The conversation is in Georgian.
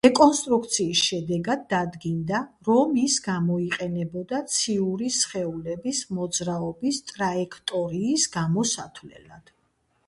რეკონსტრუქციის შედეგად დადგინდა, რომ ის გამოიყენებოდა ციური სხეულების მოძრაობის ტრაექტორიის გამოსათვლელად.